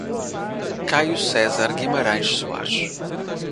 Caio Cezar Guimaraes Soares